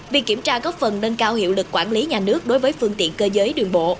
việc kiểm tra góp phần nâng cao hiệu lực quản lý nhà nước đối với phương tiện cơ giới đường bộ